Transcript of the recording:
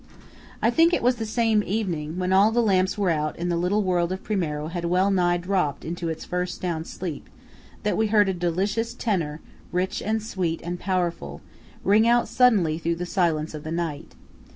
I think it was that same evening, when all the lamps were out and the little world of Primiero had well nigh dropped into its first sound sleep, that we heard a delicious tenor, rich and sweet and powerful, ring out suddenly through the silence of the night.